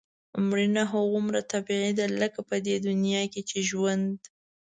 مړینه هغومره طبیعي ده لکه په دې دنیا کې چې ژوند.